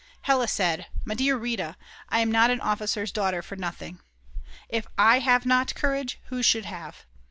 Hella said: "My dear Rita, I'm not an officer's daughter for nothing;" if I have not courage, who should have?